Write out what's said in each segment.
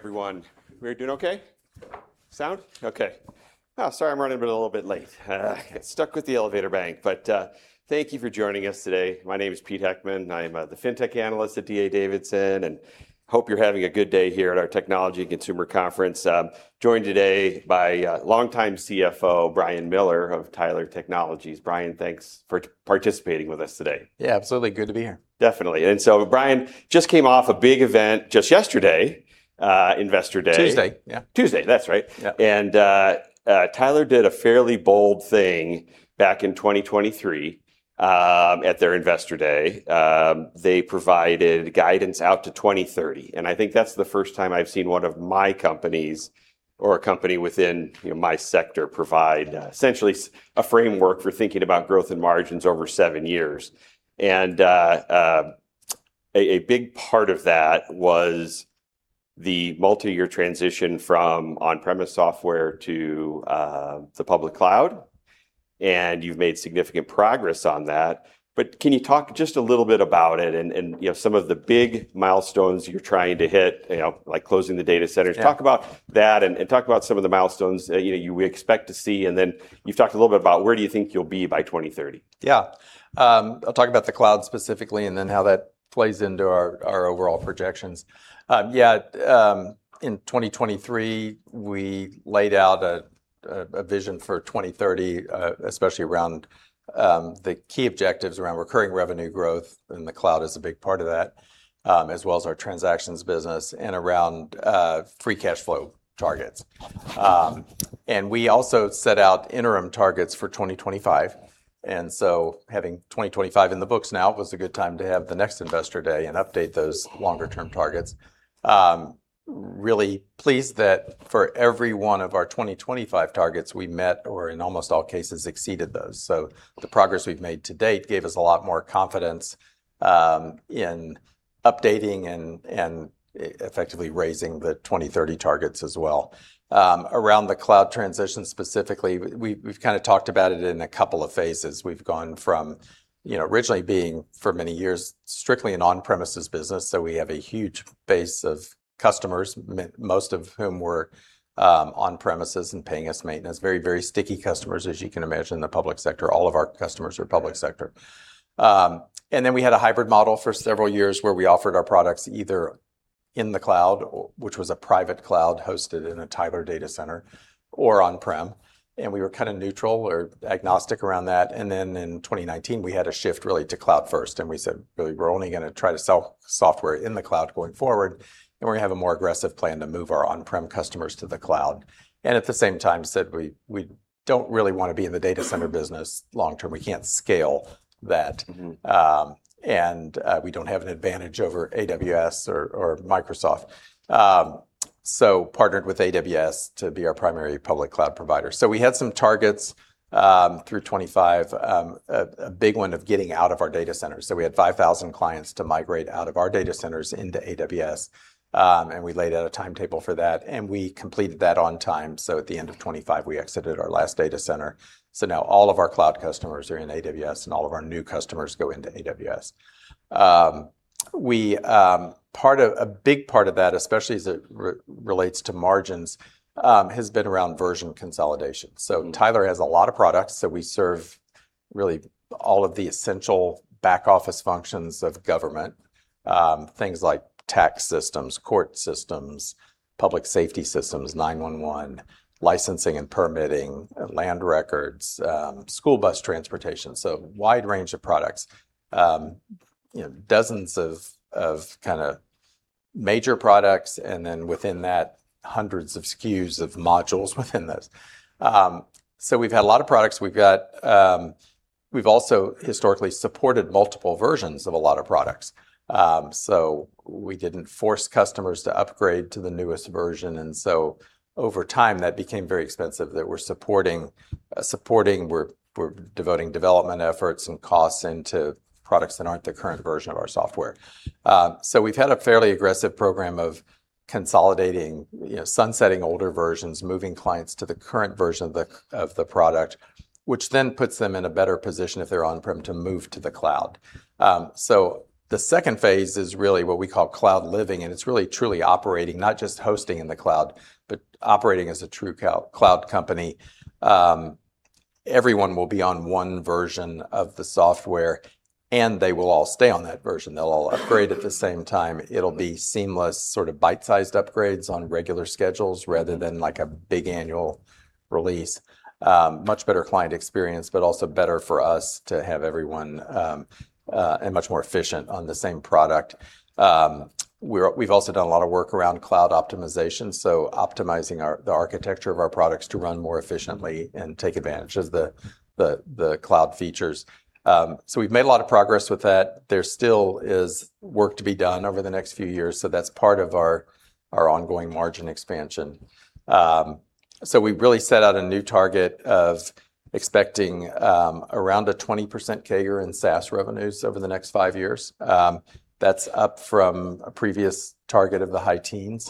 Everyone, we're doing okay? Sound? Okay. Sorry, I'm running a little bit late. Got stuck with the elevator bank. Thank you for joining us today. My name is Peter Heckmann. I'm the fintech analyst at D.A. Davidson, and hope you're having a good day here at our Technology and Consumer Conference. I'm joined today by longtime CFO, Brian Miller, of Tyler Technologies. Brian, thanks for participating with us today. Yeah. Absolutely. Good to be here. Definitely. Brian just came off a big event just yesterday, Investor Day. Tuesday, yeah. That's right. Tyler Technologies did a fairly bold thing back in 2023, at their Investor Day. They provided guidance out to 2030, and I think that's the first time I've seen one of my companies, or a company within my sector, provide essentially a framework for thinking about growth and margins over seven years. A big part of that was the multi-year transition from on-premise software to the public cloud. You've made significant progress on that. Can you talk just a little bit about it and some of the big milestones you're trying to hit, like closing the data centers? Talk about that and talk about some of the milestones we expect to see. Then you've talked a little bit about where do you think you'll be by 2030. I'll talk about the cloud specifically and how that plays into our overall projections. In 2023, we laid out a vision for 2030, especially around the key objectives around recurring revenue growth, and the cloud is a big part of that, as well as our transactions business and around free cash flow targets. We also set out interim targets for 2025, and having 2025 in the books now was a good time to have the next Investor Day and update those longer term targets. We are really pleased that for every one of our 2025 targets, we met or, in almost all cases, exceeded those. The progress we've made to date gave us a lot more confidence in updating and effectively raising the 2030 targets as well. Around the cloud transition specifically, we've talked about it in a couple of phases. We've gone from originally being, for many years, strictly an on-premises business. We have a huge base of customers, most of whom were on premises and paying us maintenance. Very sticky customers, as you can imagine, the public sector. All of our customers are public sector. We had a hybrid model for several years where we offered our products either in the cloud, which was a private cloud hosted in a Tyler data center, or on-prem, and we were neutral or agnostic around that. In 2019, we had a shift really to cloud-first, and we said, "Really, we're only going to try to sell software in the cloud going forward, and we're going to have a more aggressive plan to move our on-prem customers to the cloud." At the same time said, "We don't really want to be in the data center business long term. We can't scale that. We don't have an advantage over AWS or Microsoft. Partnered with AWS to be our primary public cloud provider. We had some targets through 2025, a big one of getting out of our data centers. We had 5,000 clients to migrate out of our data centers into AWS, we laid out a timetable for that, we completed that on time. At the end of 2025, we exited our last data center. Now all of our cloud customers are in AWS, all of our new customers go into AWS. A big part of that, especially as it relates to margins, has been around version consolidation. Tyler has a lot of products. We serve really all of the essential back office functions of government. Things like tax systems, court systems, public safety systems, 911, licensing and permitting, land records, school bus transportation. A wide range of products. Dozens of major products and then within that, hundreds of SKUs of modules within those. We've had a lot of products. We've also historically supported multiple versions of a lot of products. We didn't force customers to upgrade to the newest version, over time, that became very expensive that we're supporting, we're devoting development efforts and costs into products that aren't the current version of our software. We've had a fairly aggressive program of consolidating, sunsetting older versions, moving clients to the current version of the product, which then puts them in a better position if they're on-premise to move to the cloud. The second phase is really what we call cloud living, and it's really truly operating, not just hosting in the cloud, but operating as a true cloud company. Everyone will be on one version of the software, and they will all stay on that version. They'll all upgrade at the same time. It'll be seamless, bite-sized upgrades on regular schedules rather than a big annual release. Much better client experience, but also better for us to have everyone, and much more efficient, on the same product. We've also done a lot of work around cloud optimization, so optimizing the architecture of our products to run more efficiently and take advantage of the cloud features. We've made a lot of progress with that. There still is work to be done over the next few years, so that's part of our ongoing margin expansion. We've really set out a new target of expecting around a 20% CAGR in SaaS revenues over the next five years. That's up from a previous target of the high teens.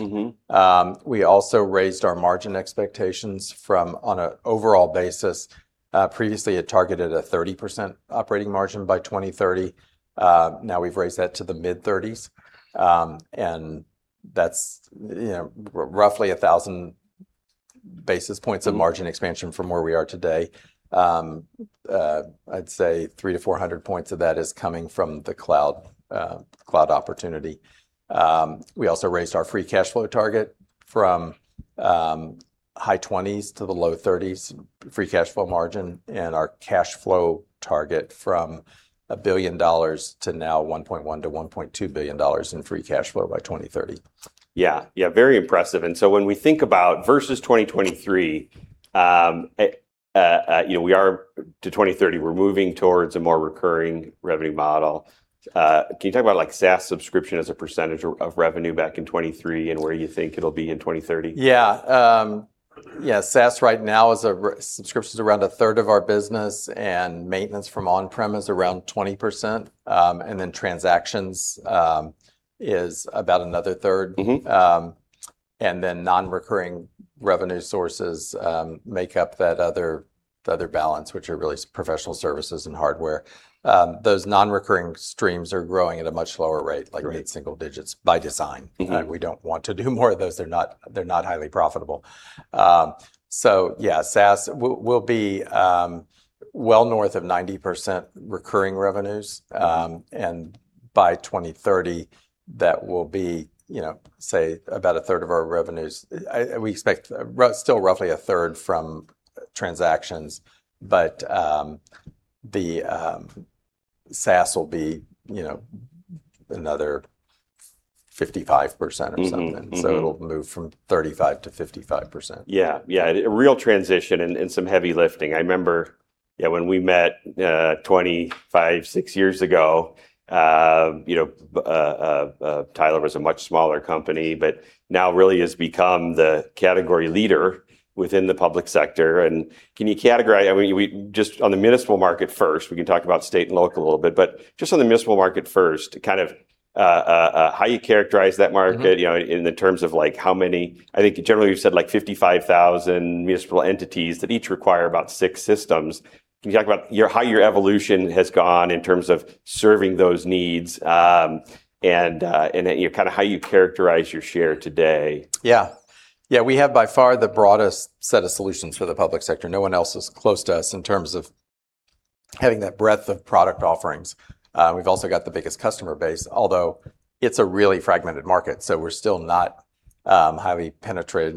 We also raised our margin expectations from, on an overall basis, previously it targeted a 30% operating margin by 2030. Now we've raised that to the mid-30s. That's roughly 1,000 basis points of margin expansion from where we are today. I'd say 300 to 400 points of that is coming from the cloud opportunity. We also raised our free cash flow target from high 20s to the low 30s, free cash flow margin, and our cash flow target from $1 billion to now $1.1 billion-$1.2 billion in free cash flow by 2030. Yeah. Very impressive. When we think about versus 2023, to 2030, we're moving towards a more recurring revenue model. Can you talk about SaaS subscription as a percentage of revenue back in 2023 and where you think it'll be in 2030? Yeah. SaaS right now is a subscription's around a third of our business. Maintenance from on-prem is around 20%. Transactions is about another third. Non-recurring revenue sources make up that other balance, which are really professional services and hardware. Those non-recurring streams are growing at a much lower rate like mid-single digits, by design. We don't want to do more of those. They're not highly profitable. Yeah. SaaS will be well north of 90% recurring revenues. By 2030, that will be say about a third of our revenues. We expect still roughly a third from transactions, the SaaS will be another 55% or something. It'll move from 35% to 55%. Yeah. A real transition and some heavy lifting. I remember when we met six years ago, Tyler was a much smaller company, now really has become the category leader within the public sector. Can you categorize, just on the municipal market first, we can talk about state and local a little bit, just on the municipal market first, how you characterize that market in the terms of how many, I think generally you've said 55,000 municipal entities that each require about six systems. Can you talk about how your evolution has gone in terms of serving those needs, how you characterize your share today? Yeah. We have by far the broadest set of solutions for the public sector. No one else is close to us in terms of having that breadth of product offerings. We've also got the biggest customer base, although it's a really fragmented market, so we're still not highly penetrated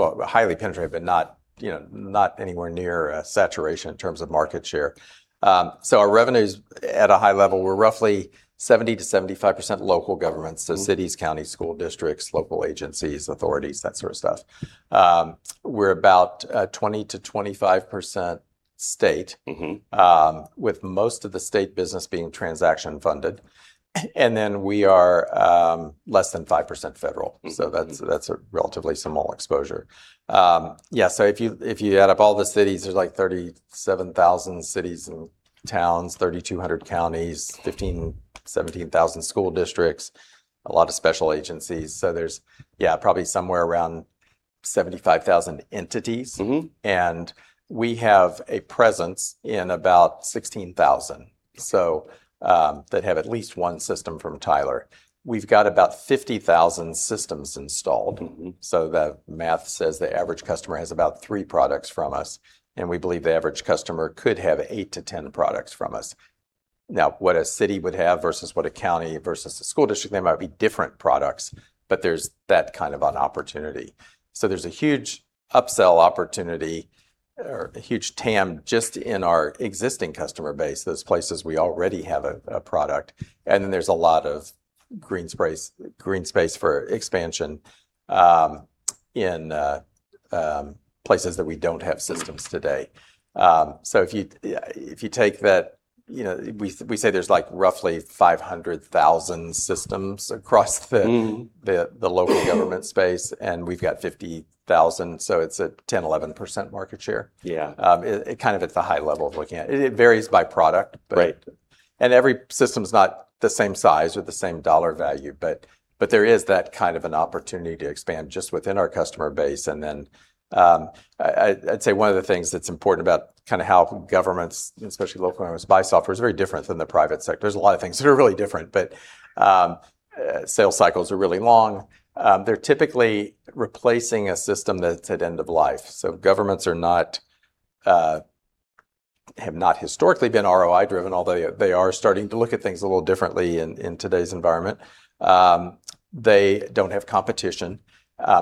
but not anywhere near saturation in terms of market share. Our revenues at a high level were roughly 70%-75% local government, cities, counties, school districts, local agencies, authorities, that sort of stuff. We're about 20%-25% state, with most of the state business being transaction-funded. We are less than 5% federal. That's a relatively small exposure. Yeah, if you add up all the cities, there's like 37,000 cities and towns, 3,200 counties, 15,000, 17,000 school districts, a lot of special agencies. There's probably somewhere around 75,000 entities. We have a presence in about 16,000. That have at least one system from Tyler. We've got about 50,000 systems installed. The math says the average customer has about three products from us, and we believe the average customer could have 8-10 products from us. Now, what a city would have versus what a county versus a school district, they might be different products, but there's that kind of an opportunity. There's a huge upsell opportunity or a huge TAM just in our existing customer base, those places we already have a product. Then there's a lot of green space for expansion in places that we don't have systems today. If you take that, we say there's roughly 500,000 systems across the local government space. We've got 50,000. It's a 10, 11% market share. Yeah. Kind of at the high level of looking at it. It varies by product. Every system's not the same size with the same dollar value, but there is that kind of an opportunity to expand just within our customer base. Then, I'd say one of the things that's important about how governments, especially local governments, buy software is very different than the private sector. There's a lot of things that are really different, but sales cycles are really long. They're typically replacing a system that's at end of life. Governments have not historically been ROI driven, although they are starting to look at things a little differently in today's environment. They don't have competition.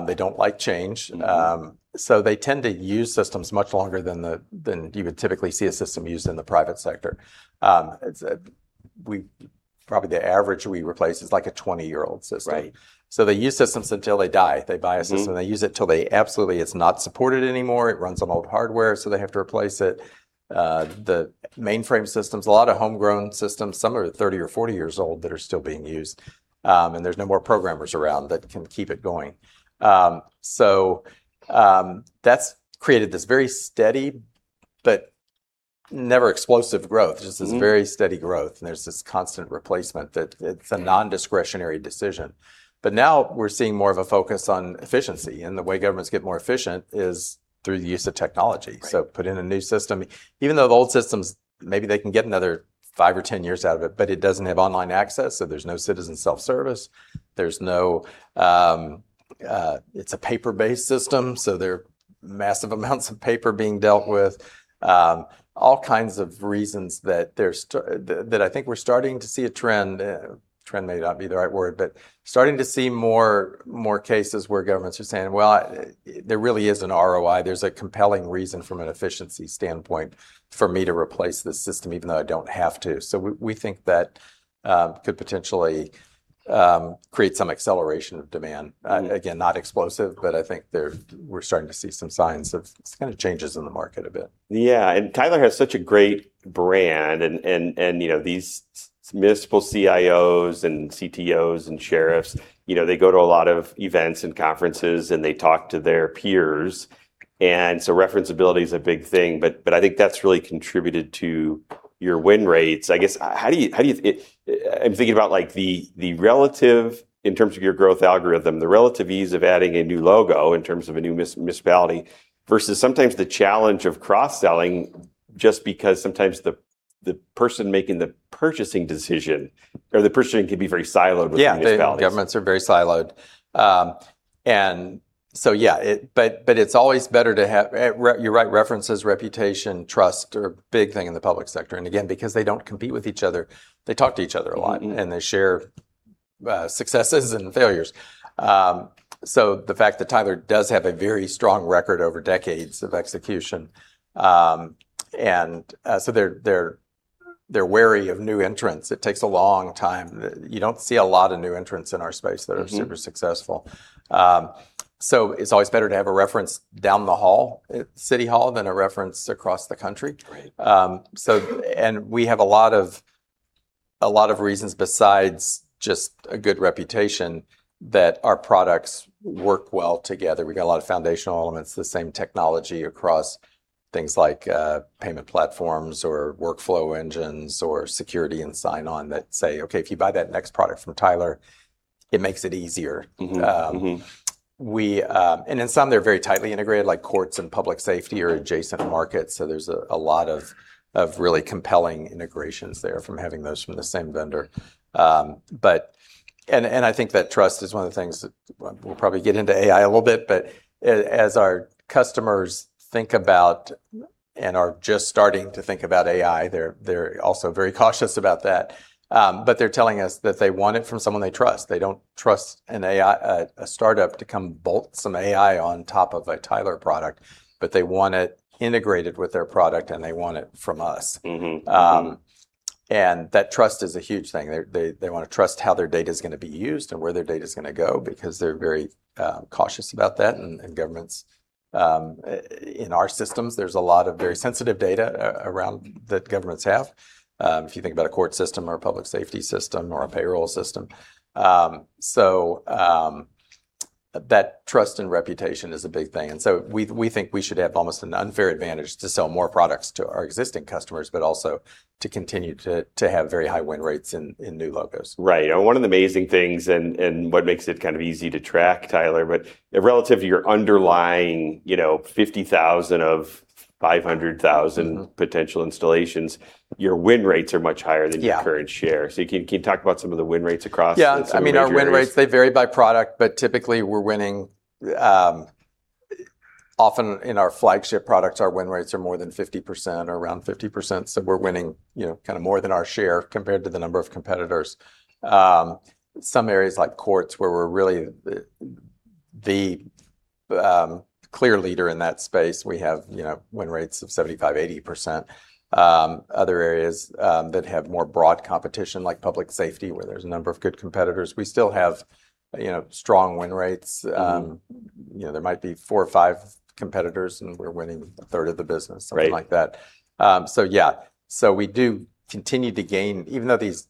They don't like change. They tend to use systems much longer than you would typically see a system used in the private sector. Probably the average we replace is like a 20-year-old system. They use systems until they die. They buy a system. They use it till they absolutely it's not supported anymore. It runs on old hardware, so they have to replace it. The mainframe systems, a lot of homegrown systems, some are 30 or 40 years old that are still being used. There's no more programmers around that can keep it going. That's created this very steady but never explosive growth. Just this very steady growth, and there's this constant replacement that it's a non-discretionary decision. Now we're seeing more of a focus on efficiency, and the way governments get more efficient is through the use of technology. Put in a new system, even though the old systems, maybe they can get another 5 or 10 years out of it, but it doesn't have online access, so there's no citizen self-service. It's a paper-based system, so there are massive amounts of paper being dealt with. All kinds of reasons that I think we're starting to see a trend. Trend may not be the right word, but starting to see more cases where governments are saying, "Well, there really is an ROI. There's a compelling reason from an efficiency standpoint for me to replace this system even though I don't have to." We think that could potentially create some acceleration of demand. Again, not explosive, but I think we're starting to see some signs of changes in the market a bit. Yeah. Tyler has such a great brand and these municipal CIOs and CTOs and sheriffs, they go to a lot of events and conferences, and they talk to their peers, and so reference ability is a big thing, but I think that's really contributed to your win rates. I'm thinking about the relative, in terms of your growth algorithm, the relative ease of adding a new logo in terms of a new municipality versus sometimes the challenge of cross-selling, just because sometimes the person making the purchasing decision, or the purchasing can be very siloed with the municipalities. Governments are very siloed. Yeah. It's always better to have You're right, references, reputation, trust are a big thing in the public sector. Again, because they don't compete with each other, they talk to each other a lot. They share successes and failures. The fact that Tyler does have a very strong record over decades of execution, they're wary of new entrants. It takes a long time. You don't see a lot of new entrants in our space. It's always better to have a reference down the hall at City Hall than a reference across the country. We have a lot of reasons besides just a good reputation that our products work well together. We got a lot of foundational elements, the same technology across things like payment platforms or workflow engines or security and sign-on that say, "Okay, if you buy that next product from Tyler, it makes it easier. In some, they're very tightly integrated, like courts and public safety are adjacent markets, so there's a lot of really compelling integrations there from having those from the same vendor. I think that trust is one of the things that We'll probably get into AI a little bit, but as our customers think about and are just starting to think about AI, they're also very cautious about that. They're telling us that they want it from someone they trust. They don't trust an AI at a startup to come bolt some AI on top of a Tyler product, but they want it integrated with their product, and they want it from us. That trust is a huge thing. They want to trust how their data's going to be used and where their data's going to go because they're very cautious about that. Governments, in our systems, there's a lot of very sensitive data around that governments have. If you think about a court system or a public safety system or a payroll system. That trust and reputation is a big thing. We think we should have almost an unfair advantage to sell more products to our existing customers, but also to continue to have very high win rates in new logos. Right. One of the amazing things and what makes it kind of easy to track, Tyler Technologies, but relative to your underlying 50,000 of 500,000 potential installations, your win rates are much higher than your current share. Can you talk about some of the win rates across some of the major areas? I mean, our win rates, they vary by product, but typically, we're winning, often in our flagship products, our win rates are more than 50% or around 50%. We're winning more than our share compared to the number of competitors. Some areas like courts, where we're really the clear leader in that space, we have win rates of 75%-80%. Other areas that have more broad competition, like public safety, where there's a number of good competitors, we still have strong win rates. There might be four or five competitors, and we're winning a third of the business something like that. We do continue to gain. Even though these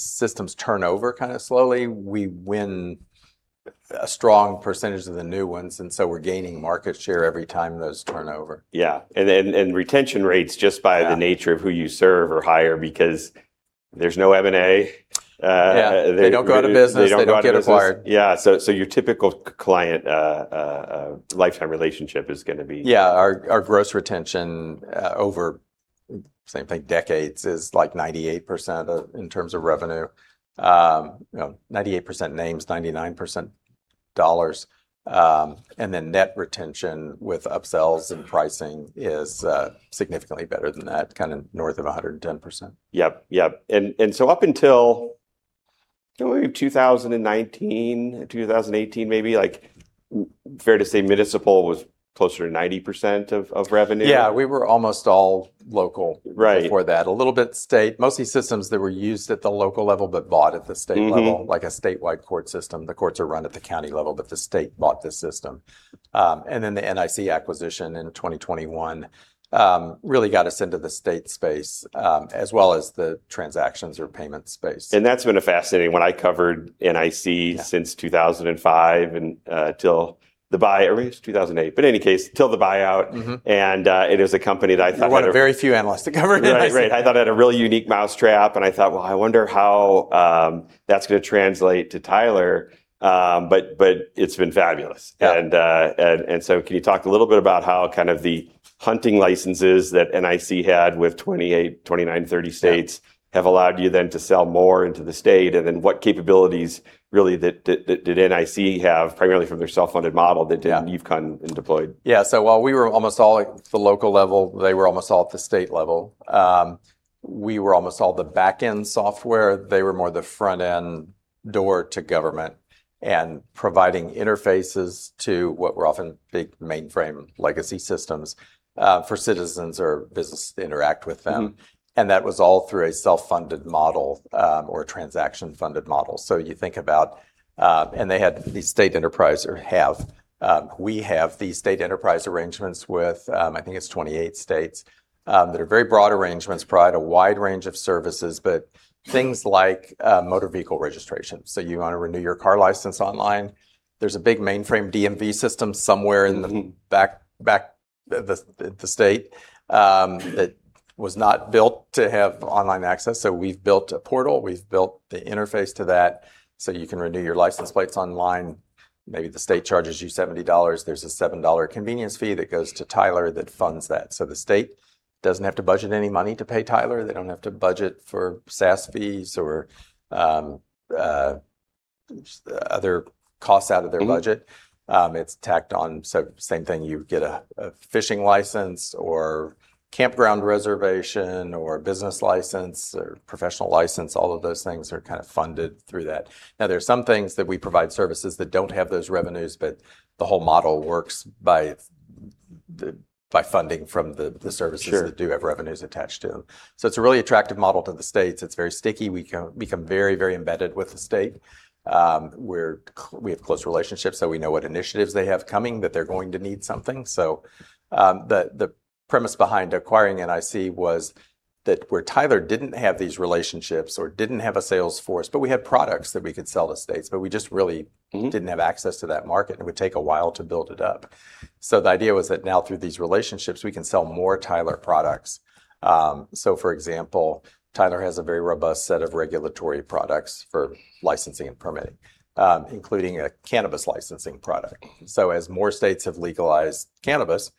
systems turn over kind of slowly, we win a strong percentage of the new ones, we're gaining market share every time those turn over. Yeah. retention rates, the nature of who you serve are higher because there's no M&A. Yeah. They don't go out of business. They don't get acquired. Yeah. Your typical client lifetime relationship is going to be? Our gross retention over, same thing, decades, is like 98% in terms of revenue. 98% names, 99% dollars. Net retention with upsells and pricing is significantly better than that, kind of north of 110%. Yep. Up until maybe 2019, 2018 maybe, fair to say municipal was closer to 90% of revenue? Yeah, we were almost all local. Right A little bit state. Mostly systems that were used at the local level, but bought at the state level. Like a statewide court system. The courts are run at the county level, but the state bought the system. Then the NIC acquisition in 2021 really got us into the state space, as well as the transactions or payment space. That's been a fascinating one. I covered NIC since 2005 till the buy Or maybe it was 2008. In any case, till the buyout. It is a company that I thought had a- One of very few analysts that covered NIC. Right. I thought it had a really unique mousetrap, and I thought, "Well, I wonder how that's going to translate to Tyler Technologies." It's been fabulous. Can you talk a little bit about how kind of the hunting licenses that NIC had with 28, 29, 30 states. Have allowed you then to sell more into the state. What capabilities really did NIC have, primarily from their self-funded model. That you've come and deployed? Yeah. While we were almost all at the local level, they were almost all at the state level. We were almost all the back-end software. They were more the front-end door to government and providing interfaces to what were often big mainframe legacy systems for citizens or business to interact with them. That was all through a self-funded model or a transaction-funded model. You think about, and they had the state enterprise or have, we have the state enterprise arrangements with, I think it's 28 states, that are very broad arrangements, provide a wide range of services, but things like motor vehicle registration. You want to renew your car license online, there's a big mainframe DMV system somewhere in the back of the state, that was not built to have online access. We've built a portal, we've built the interface to that, so you can renew your license plates online. Maybe the state charges you $70. There's a $7 convenience fee that goes to Tyler Technologies that funds that. The state doesn't have to budget any money to pay Tyler Technologies. They don't have to budget for SaaS fees or other costs out of their budget. It's tacked on. Same thing, you get a fishing license or campground reservation or business license or professional license. All of those things are kind of funded through that. There are some things that we provide services that don't have those revenues, but the whole model works by funding from the services that do have revenues attached to them. It's a really attractive model to the states. It's very sticky. We become very embedded with the state. We have close relationships, so we know what initiatives they have coming, that they're going to need something. The premise behind acquiring NIC was that where Tyler Technologies didn't have these relationships or didn't have a sales force, but we had products that we could sell to states, but we just really didn't have access to that market, and it would take a while to build it up. The idea was that now through these relationships, we can sell more Tyler products. For example, Tyler Technologies has a very robust set of regulatory products for licensing and permitting, including a cannabis licensing product. As more states have legalized cannabis,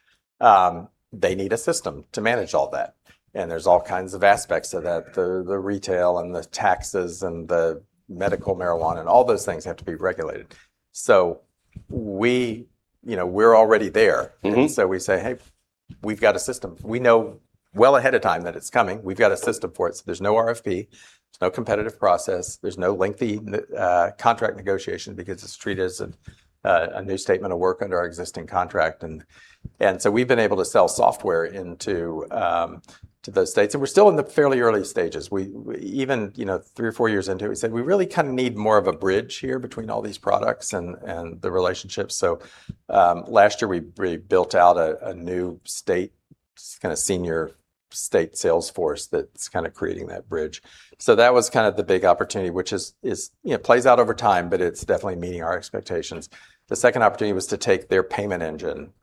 they need a system to manage all that. There's all kinds of aspects to that. The retail and the taxes and the medical marijuana and all those things have to be regulated. We're already there. We say, "Hey, we've got a system." We know well ahead of time that it's coming. We've got a system for it. There's no RFP, there's no competitive process, there's no lengthy contract negotiation because it's treated as a new statement of work under our existing contract. We've been able to sell software into those states, and we're still in the fairly early stages. Even three or four years into it, we said, "We really need more of a bridge here between all these products and the relationships." Last year, we built out a new state, kind of senior state sales force that's creating that bridge. That was the big opportunity, which plays out over time, but it's definitely meeting our expectations. The second opportunity was to take their payment engine,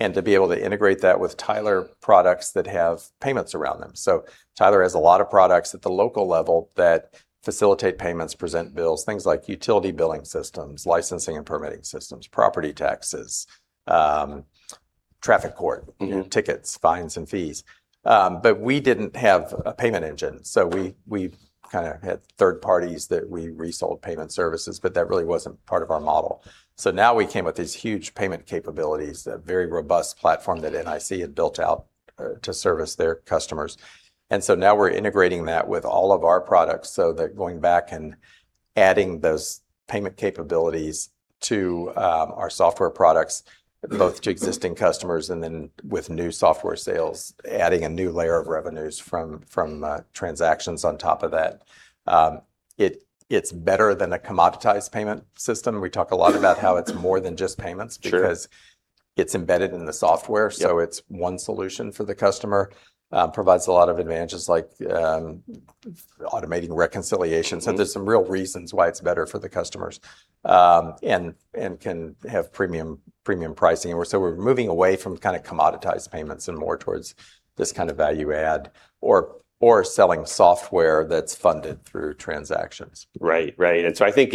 and to be able to integrate that with Tyler products that have payments around them. Tyler Technologies has a lot of products at the local level that facilitate payments, present bills, things like utility billing systems, licensing and permitting systems, property taxes, traffic court tickets, fines, and fees. We didn't have a payment engine, so we had third parties that we resold payment services, but that really wasn't part of our model. Now we came with these huge payment capabilities, a very robust platform that NIC had built out to service their customers, now we're integrating that with all of our products so that going back and adding those payment capabilities to our software products, both to existing customers and then with new software sales, adding a new layer of revenues from transactions on top of that. It's better than a commoditized payment system. We talk a lot about how it's more than just payments because it's embedded in the software. It's one solution for the customer. Provides a lot of advantages like automating reconciliations. There's some real reasons why it's better for the customers, and can have premium pricing. We're moving away from commoditized payments and more towards this kind of value add or selling software that's funded through transactions. Right. I think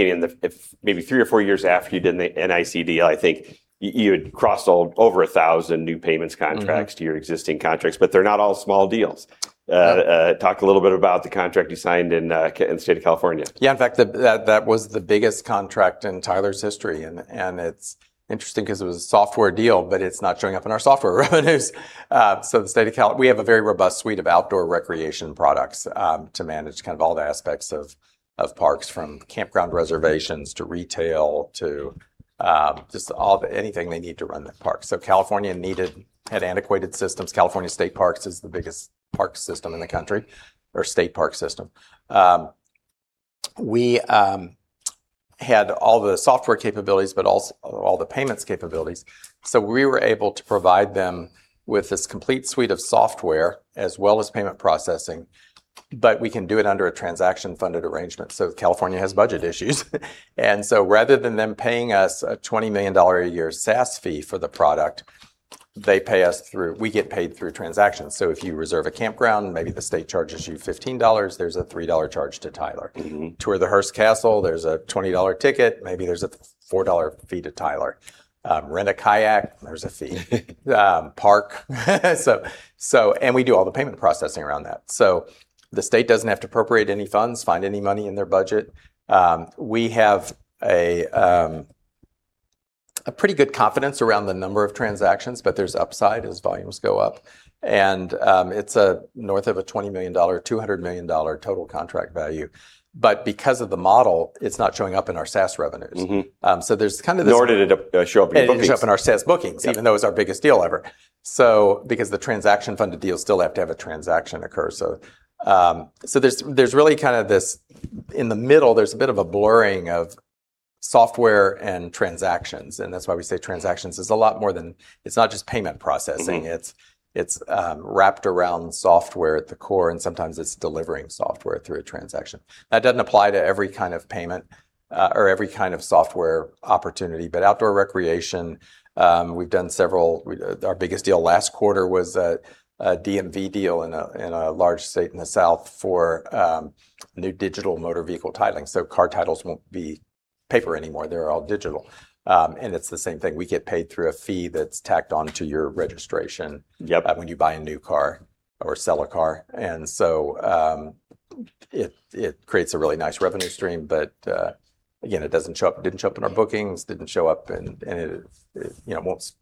maybe three or four years after you did the NIC deal, I think you had crossed over 1,000 new payments contracts to your existing contracts, they're not all small deals. Talk a little bit about the contract you signed in the state of California. Yeah. In fact, that was the biggest contract in Tyler's history. It's interesting because it was a software deal, but it's not showing up in our software revenues. We have a very robust suite of outdoor recreation products to manage all the aspects of parks, from campground reservations to retail to just anything they need to run the park. California had antiquated systems. California State Parks is the biggest park system in the country, or state park system. We had all the software capabilities, but also all the payments capabilities, we were able to provide them with this complete suite of software as well as payment processing, but we can do it under a transaction-funded arrangement. California has budget issues, rather than them paying us a $20 million a year SaaS fee for the product, they pay us through, we get paid through transactions. If you reserve a campground, maybe the state charges you $15, there's a $3 charge to Tyler Technologies. Tour the Hearst Castle, there's a $20 ticket, maybe there's a $4 fee to Tyler. Rent a kayak, there's a fee. Park. We do all the payment processing around that. The state doesn't have to appropriate any funds, find any money in their budget. We have a pretty good confidence around the number of transactions, but there's upside as volumes go up, and it's north of a $20 million, $200 million total contract value. Because of the model, it's not showing up in our SaaS revenues. There's kind of this. Nor did it show up in your bookings. It didn't show up in our SaaS bookings, even though it was our biggest deal ever. The transaction-funded deals still have to have a transaction occur. There's really this, in the middle, there's a bit of a blurring of software and transactions, and that's why we say transactions is a lot more than. It's not just payment processing. It's wrapped around software at the core, and sometimes it's delivering software through a transaction. That doesn't apply to every kind of payment, or every kind of software opportunity. Outdoor recreation, we've done several. Our biggest deal last quarter was a DMV deal in a large state in the south for new digital motor vehicle titling. Car titles won't be paper anymore, they're all digital. It's the same thing. We get paid through a fee that's tacked onto your registration when you buy a new car or sell a car. It creates a really nice revenue stream, but again, it didn't show up in our bookings. Didn't show up and it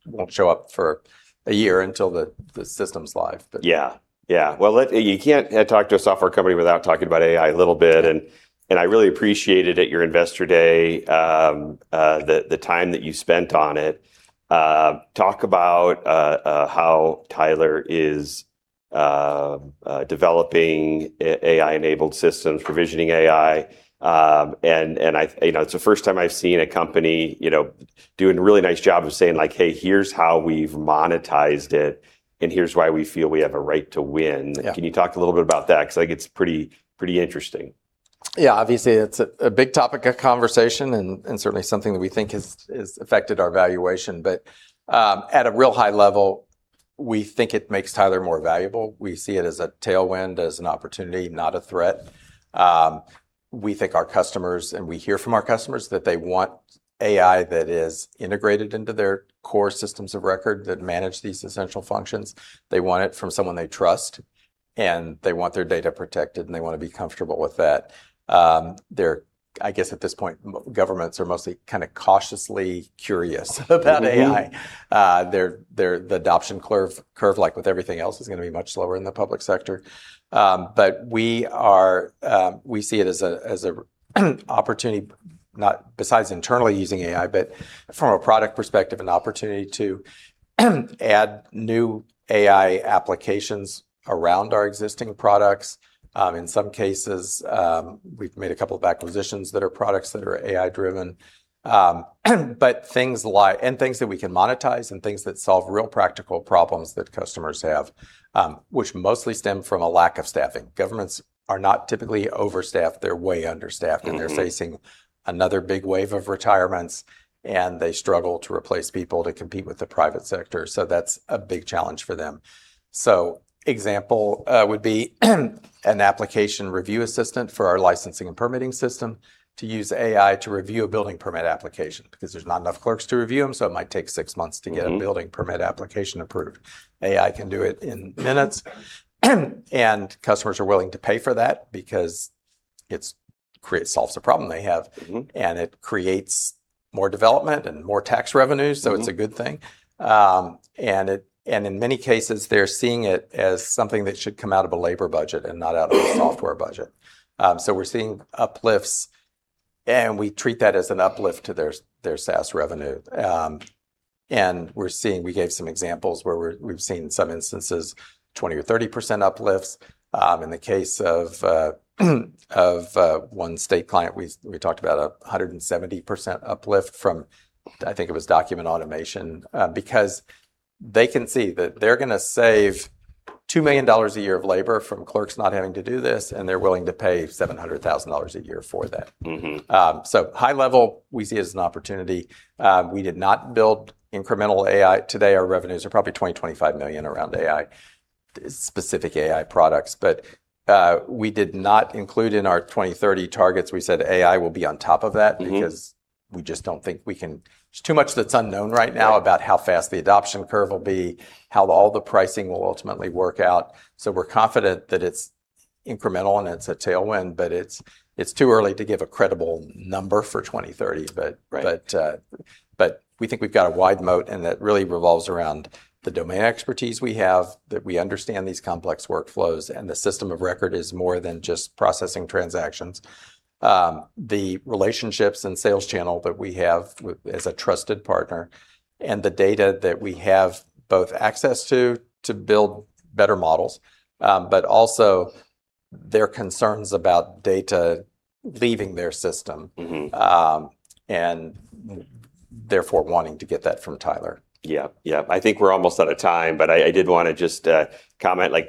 won't show up for a year until the system's live. Yeah. Well, you can't talk to a software company without talking about AI a little bit. I really appreciated at your investor day, the time that you spent on it. Talk about how Tyler Technologies is developing AI-enabled systems, provisioning AI. It's the first time I've seen a company doing a really nice job of saying, "Hey, here's how we've monetized it, and here's why we feel we have a right to win. Can you talk a little bit about that? I think it's pretty interesting. Yeah. Obviously, it's a big topic of conversation and certainly something that we think has affected our valuation. At a real high level, we think it makes Tyler Technologies more valuable. We see it as a tailwind, as an opportunity, not a threat. We think our customers, and we hear from our customers that they want AI that is integrated into their core systems of record that manage these essential functions. They want it from someone they trust, and they want their data protected, and they want to be comfortable with that. I guess at this point, governments are mostly cautiously curious about AI. The adoption curve, like with everything else, is going to be much lower in the public sector. We see it as an opportunity, besides internally using AI, but from a product perspective, an opportunity to add new AI applications around our existing products. In some cases, we've made a couple of acquisitions that are products that are AI driven. Things that we can monetize and things that solve real practical problems that customers have, which mostly stem from a lack of staffing. Governments are not typically overstaffed. They're way understaffed. They're facing another big wave of retirements, and they struggle to replace people to compete with the private sector. That's a big challenge for them. Example would be an application review assistant for our licensing and permitting system to use AI to review a building permit application because there's not enough clerks to review them, so it might take six months to get a building permit application approved. AI can do it in minutes. Customers are willing to pay for that because it solves a problem they have. It creates more development and more tax revenue. It's a good thing. In many cases, they're seeing it as something that should come out of a labor budget and not out of a software budget. We're seeing uplifts, and we treat that as an uplift to their SaaS revenue. We gave some examples where we've seen, in some instances, 20% or 30% uplifts. In the case of one state client, we talked about a 170% uplift from, I think it was document automation, because they can see that they're going to save $2 million a year of labor from clerks not having to do this, and they're willing to pay $700,000 a year for that. High level, we see it as an opportunity. We did not build incremental AI. Today, our revenues are probably $20 million-$25 million around AI, specific AI products. We did not include in our 2030 targets, we said AI will be on top of that. Because there's too much that's unknown right now. About how fast the adoption curve will be, how all the pricing will ultimately work out. We're confident that it's incremental and it's a tailwind, but it's too early to give a credible number for 2030. Right. We think we've got a wide moat, and that really revolves around the domain expertise we have, that we understand these complex workflows, and the system of record is more than just processing transactions. The relationships and sales channel that we have as a trusted partner, and the data that we have both access to build better models, but also their concerns about data leaving their system, therefore wanting to get that from Tyler Technologies. Yeah. I think we're almost out of time, but I did want to just comment, Tyler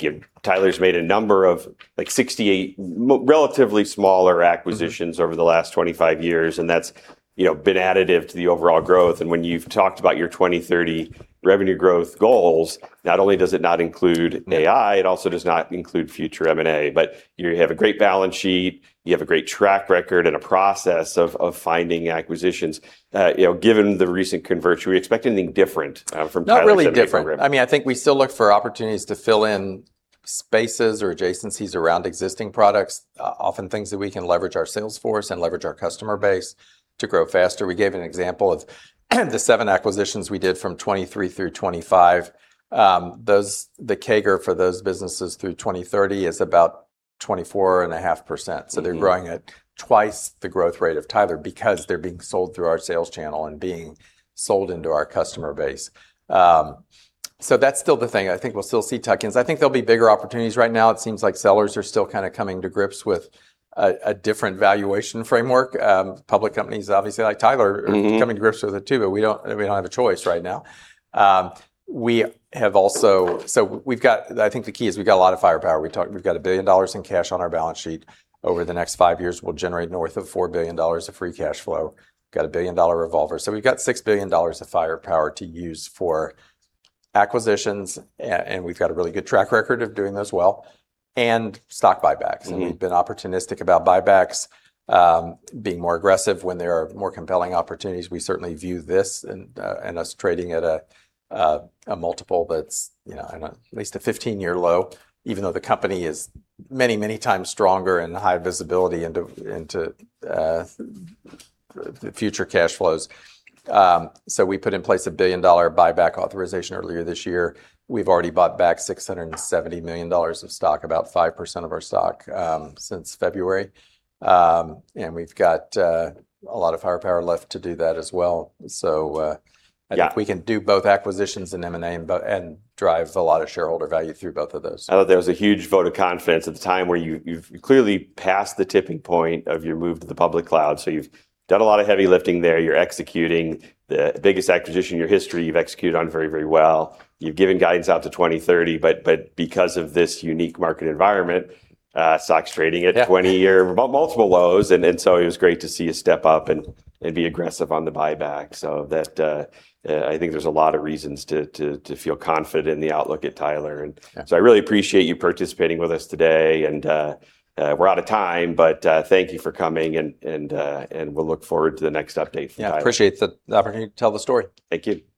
Technologies made a number of, like 68, relatively smaller acquisitions over the last 25 years, That's been additive to the overall growth. When you've talked about your 2030 revenue growth goals, not only does it not include AI, it also does not include future M&A. You have a great balance sheet. You have a great track record and a process of finding acquisitions. Given the recent converts, should we expect anything different from Tyler Technologies' M&A program? Not really different. I think we still look for opportunities to fill in spaces or adjacencies around existing products. Often things that we can leverage our sales force and leverage our customer base to grow faster. We gave an example of the seven acquisitions we did from 2023 through 2025. The CAGR for those businesses through 2030 is about 24.5%. They're growing at twice the growth rate of Tyler Technologies. That's still the thing. I think we'll still see tuck-ins. I think there'll be bigger opportunities. Right now, it seems like sellers are still kind of coming to grips with a different valuation framework. Public companies, obviously, like Tyler Technologies. We are coming to grips with it, too. We don't have a choice right now. I think the key is we've got a lot of firepower. We've got $1 billion in cash on our balance sheet. Over the next five years, we'll generate north of $4 billion of free cash flow. We've got a $1 billion-dollar revolver. We've got $6 billion of firepower to use for acquisitions, and we've got a really good track record of doing those well, and stock buybacks. We've been opportunistic about buybacks, being more aggressive when there are more compelling opportunities. We certainly view this, and us trading at a multiple that's at least a 15-year low, even though the company is many, many times stronger and high visibility into the future cash flows. We put in place a $1 billion-dollar buyback authorization earlier this year. We've already bought back $670 million of stock, about 5% of our stock, since February. We've got a lot of firepower left to do that as well. I think we can do both acquisitions and M&A and drive a lot of shareholder value through both of those. I thought that was a huge vote of confidence at the time where you've clearly passed the tipping point of your move to the public cloud. You've done a lot of heavy lifting there. You're executing the biggest acquisition in your history. You've executed on very, very well. You've given guidance out to 2030, because of this unique market environment, stock's trading at 20-year multiple lows, it was great to see you step up and be aggressive on the buyback. I think there's a lot of reasons to feel confident in the outlook at Tyler Technologies. I really appreciate you participating with us today, and we're out of time, but thank you for coming, and we'll look forward to the next update from Tyler Technologies. Yeah, I appreciate the opportunity to tell the story. Thank you.